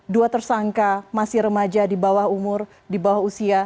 dua tersangka masih remaja di bawah umur di bawah usia